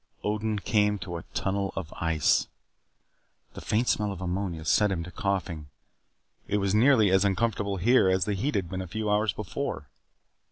Odin came to a tunnel of ice. The faint smell of ammonia set him to coughing. It was nearly as uncomfortable here as the heat had been a few hours before.